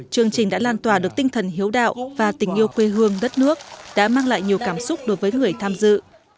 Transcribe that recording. chương trình đã lan tỏa được tinh thần hiếu đạo và tình yêu quê hương đất nước đã mang lại nhiều cảm xúc đối với người tham dự